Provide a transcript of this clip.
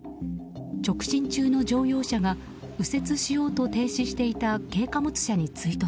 直進中の乗用車が右折しようと停止していた軽貨物車に追突。